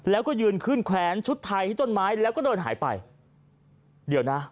แล้วก็ยืนขึ้นแขวนชุดไทยที่ต้นไม้แล้วก็เดินหายไปเดี๋ยวนะ